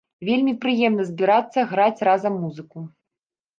Вельмі прыемна збірацца, граць разам музыку!